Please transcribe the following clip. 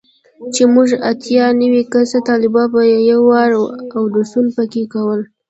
چې موږ اتيا نوي کسه طلباو به په يو وار اودسونه پکښې کول.